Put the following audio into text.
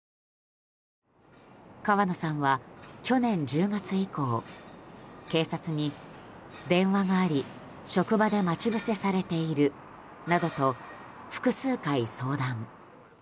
川野さんは去年１０月以降、警察に電話があり職場で待ち伏せされているなどと複数回相談。